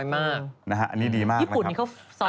น้อยมากอันนี้ดีมากนะครับคุณรู้ไหมว่า